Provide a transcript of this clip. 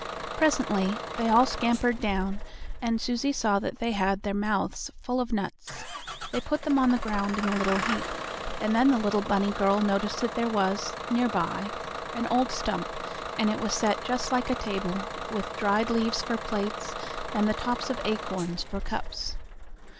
Presently they all scampered down, and Susie saw that they had their mouths full of nuts. They put them on the ground in a little heap, and then the little bunny girl noticed that there was, nearby, an old stump, and it was set just like a table, with dried leaves for plates, and the tops of acorns for cups.